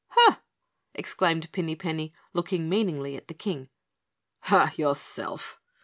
"Hah!" exclaimed Pinny Penny, looking meaningly at the King. "Hah, yourself!"